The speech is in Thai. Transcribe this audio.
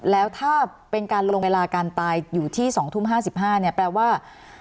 แล้วถ้าเป็นการลงเวลาการตายอยู่ที่๒ทุ่ม๕๕เนี่ยแปลว่า